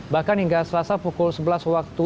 bahkan hingga selasa pukul sebelas waktu